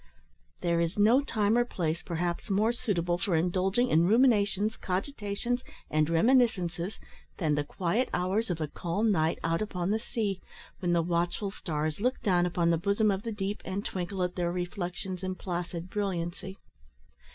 There is no time or place, perhaps, more suitable for indulging in ruminations, cogitations, and reminiscences, than the quiet hours of a calm night out upon the sea, when the watchful stars look down upon the bosom of the deep, and twinkle at their reflections in placid brilliancy.